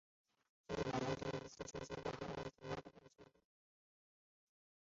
这是日本艺人第一次出现在海外发行的邮票上。